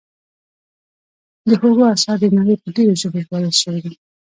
د هوګو اثار د نړۍ په ډېرو ژبو ژباړل شوي دي.